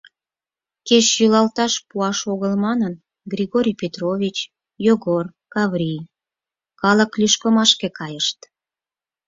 Кеч йӱлалташ пуаш огыл манын, Григорий Петрович, Йогор, Каврий калык лӱшкымашке кайышт.